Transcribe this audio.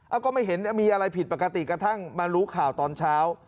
เอาก็ไม่เห็นมีอะไรผิดปกติกระทั่งมารู้ข่าวตอนเช้า